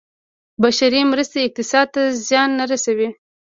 بشري مرستې اقتصاد ته زیان نه رسوي.